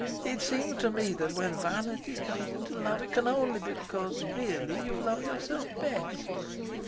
It seems to me that when vanity comes into love it can only be because really you love yourself best.